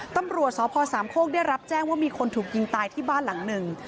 ตำรวจสพสามโคกได้รับแจ้งว่ามีคนถูกยิงตายที่บ้านหลังหนึ่ง